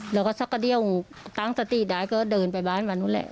แล้วก็สักกระเดี้ยวตั้งสติได้ก็เดินไปบ้านมันนู้นแหละ